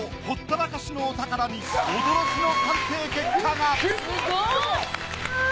ほったらかしのお宝に驚きの鑑定結果が！